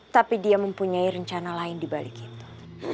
tapi dia mempunyai rencana lain dibalik itu